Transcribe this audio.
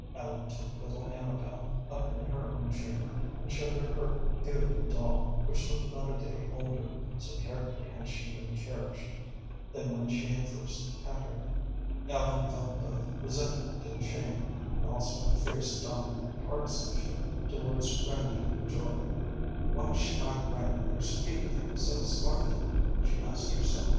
Ellen took little Amabel up in her own chamber and showed her her beautiful doll, which looked not a day older, so carefully had she been cherished, than when she first had her. Ellen felt both resentment and shame, and also a fierce dawning of partisanship towards Granville Joy. "Why should my grandmother speak of him so scornfully?" she asked herself.